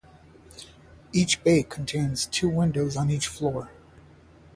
Each bay contains two windows on each floor.